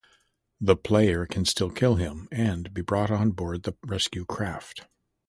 The player can still kill him, and be brought on board the rescue craft.